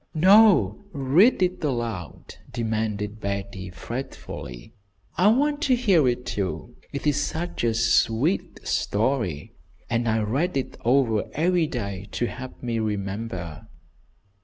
"No, read it aloud!" demanded Betty, fretfully. "I want to hear it, too. It is such a sweet story, and I read it over every day to help me remember."